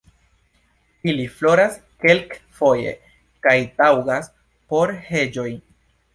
Ili floras kelkfoje kaj taŭgas por heĝoj.